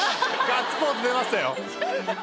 ガッツポーズ出ましたよ。